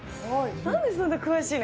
なんでそんな詳しいの？